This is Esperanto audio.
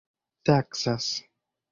taksas